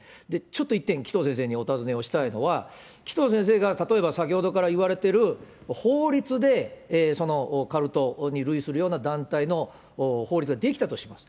ちょっと一点、紀藤先生にお尋ねをしたいのは、紀藤先生が例えば先ほどから言われている法律でカルトに類するような団体の法律が出来たとします。